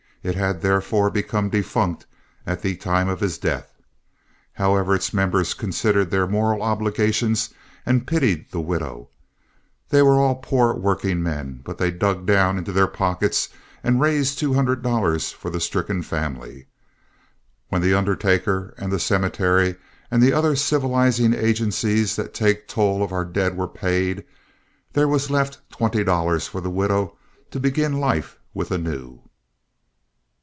It had therefore become defunct at the time of his death. However, its members considered their moral obligations and pitied the widow. They were all poor workingmen, but they dug down into their pockets and raised two hundred dollars for the stricken family. When the undertaker and the cemetery and the other civilizing agencies that take toll of our dead were paid, there was left twenty dollars for the widow to begin life with anew.